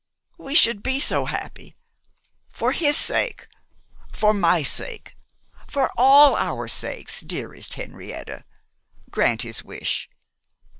We should be so happy! For his sake, for my sake, for all our sakes, dearest Henrietta, grant his wish.